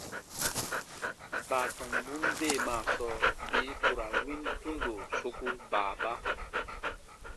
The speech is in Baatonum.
Baatɔmbun deemaa sɔɔ bii ku ra win tundo soku baaba.